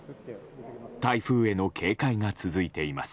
台風への警戒が続いています。